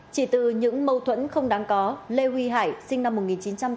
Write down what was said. chỉ từ những mâu thuẫn không đáng có lê huy hải sinh năm một nghìn chín trăm tám mươi